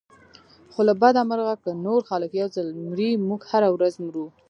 خو له بده مرغه که نور خلک یو ځل مري موږ هره ورځ مرو.